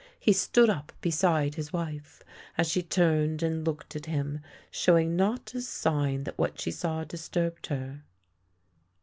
He stood up beside his wife, as she turned and looked at him, show ing not a sign that what she saw disturbed her.